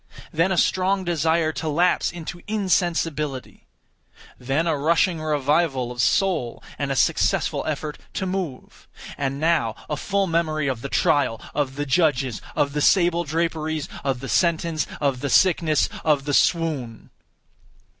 Then a strong desire to lapse into insensibility. Then a rushing revival of soul and a successful effort to move. And now a full memory of the trial, of the judges, of the sable draperies, of the sentence, of the sickness, of the swoon.